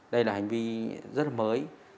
đây là hành vi rất là mới